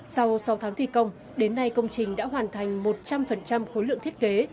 sau sáu tháng thi công đến nay công trình đã hoàn thành một trăm linh khối lượng thiết kế